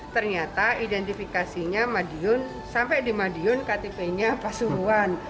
ternyata identifikasinya madiun sampai di madiun ktp nya pasuruan